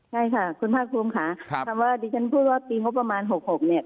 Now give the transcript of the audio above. ใช่ค่ะคุณภาคภูมิค่ะคำว่าดิฉันพูดว่าปีงบประมาณ๖๖เนี่ย